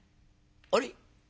あれ？